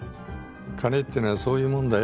金ってのはそういうもんだよ